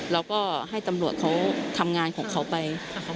แล้วก็ให้ตำรวจเขาทำงานของเขาไป